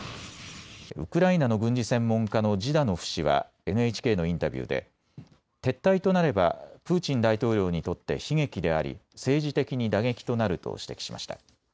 ウクライナの軍事専門家のジダノフ氏はＮＨＫのインタビューで撤退となればプーチン大統領にとって悲劇であり政治的に打撃となると指摘しました。